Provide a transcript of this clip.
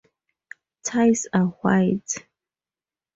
Ties are white.